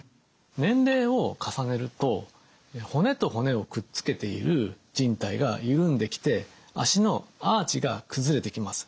年齢を重ねると骨と骨をくっつけているじん帯が緩んできて足のアーチが崩れてきます。